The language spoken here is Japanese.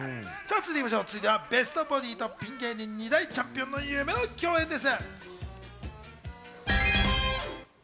続いては、ベストボディとピン芸人、２大チャンピオンの夢の共演です。